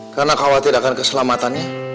karena kau tidak akan keselamatannya